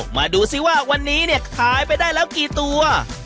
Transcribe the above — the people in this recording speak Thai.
มาดูซิว่าวันนี้เนี่ยขายไปได้แล้วกี่ตัว